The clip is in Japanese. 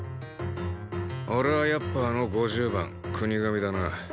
俺はやっぱあの５０番國神だな。